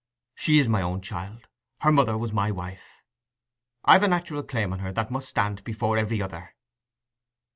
She is my own child—her mother was my wife. I've a natural claim on her that must stand before every other."